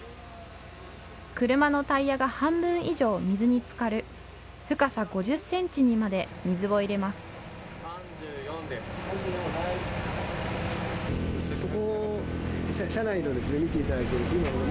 車のタイヤが半分以上水につかる深さ５０ｃｍにまで水を入れます。